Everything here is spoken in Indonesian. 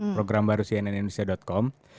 program baru cnnindonesia com